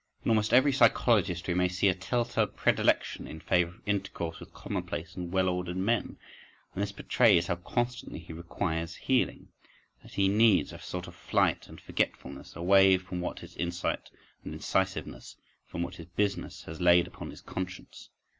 In almost every psychologist we may see a tell tale predilection in favour of intercourse with commonplace and well ordered men: and this betrays how constantly he requires healing, that he needs a sort of flight and forgetfulness, away from what his insight and incisiveness—from what his "business"—has laid upon his conscience.